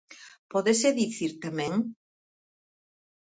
¿Pódese dicir tamén?